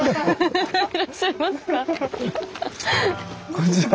こんにちは。